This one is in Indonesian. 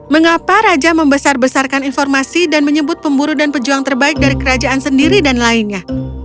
mengapa raja membesar besarkan informasi dan menyebut pemburu dan pejuang terbaik dari kerajaan sendiri dan lainnya